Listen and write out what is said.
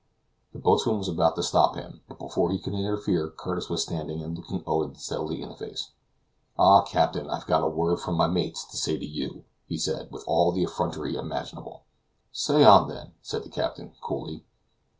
The boatswain was about to stop him, but before he could interfere Curtis was standing and looking Owen steadily in the face. "Ah, captain, I've got a word from my mates to say to you," he said, with all the effrontery imaginable. "Say on, then," said the captain coolly.